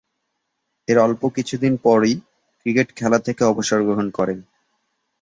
এর অল্প কিছুদিন পরই ক্রিকেট খেলা থেকে অবসর গ্রহণ করেন।